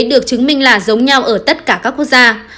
được chứng minh là giống nhau ở tất cả các quốc gia